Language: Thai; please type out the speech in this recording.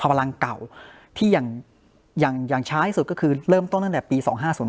พลังเก่าที่อย่างช้าที่สุดก็คือเริ่มต้นตั้งแต่ปี๒๕๐